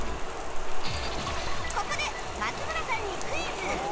ここで松村さんにクイズ！